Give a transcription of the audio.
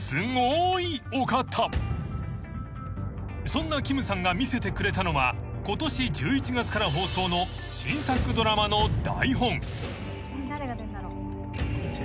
［そんなキムさんが見せてくれたのはことし１１月から放送の新作ドラマの台本］